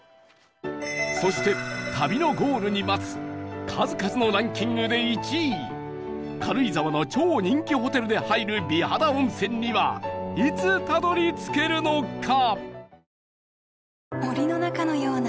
そして旅のゴールに待つ数々のランキングで１位軽井沢の超人気ホテルで入る美肌温泉にはいつたどり着けるのか？